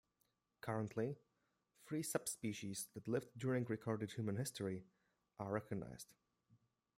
Currently, three subspecies that lived during recorded human history are recognized.